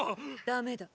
ダメだ。